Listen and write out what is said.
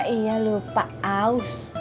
iya lupa paus